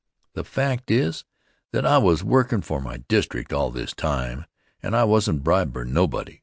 The fact is that I was workin' for my district all this time, and I wasn't bribed by nobody.